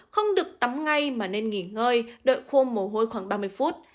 không được tắm ngay mà nên nghỉ ngơi đợi khô mồ hôi khoảng ba mươi phút